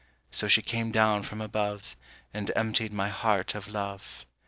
So she came down from above And emptied my heart of love.